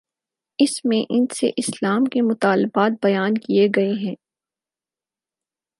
اس میں ان سے اسلام کے مطالبات بیان کیے گئے ہیں۔